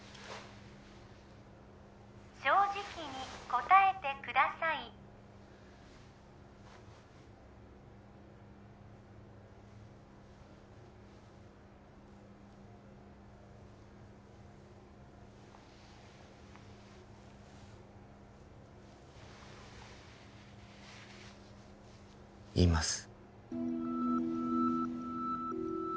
正直に答えてくださいいます